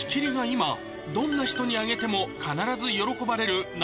今どんな人にあげても必ず喜ばれるＮｏ．１